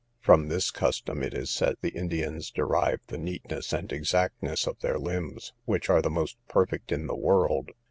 From this custom, it is said, the Indians derive the neatness and exactness of their limbs, which are the most perfect in the world.